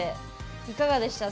いかがでしたか？